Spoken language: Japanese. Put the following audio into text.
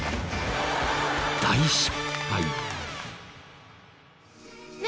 大失敗。